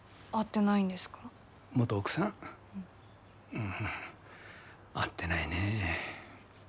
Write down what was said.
うん会ってないねえ。